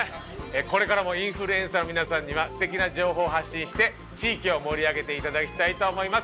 これからもインフルエンサーの皆さんには素敵な情報を発信して地域を盛り上げて頂きたいと思います。